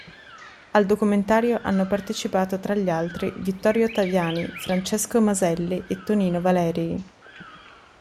Al documentario hanno partecipato tra gli altri Vittorio Taviani, Francesco Maselli e Tonino Valerii.